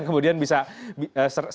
kemudian bisa seringkali diperhatikan